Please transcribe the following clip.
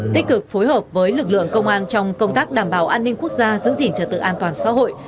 tích cực phối hợp với lực lượng công an trong công tác đảm bảo an ninh quốc gia giữ gìn trật tự an toàn xã hội